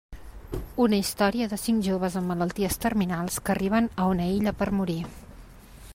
Una història de cinc joves amb malalties terminals que arriben a una illa per morir.